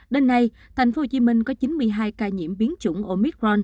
đêm nay thành phố hồ chí minh có chín mươi hai ca nhiễm biến chủng